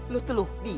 lo teluh dia